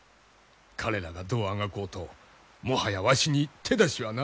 彼らがどうあがこうともはやわしに手出しはならぬ。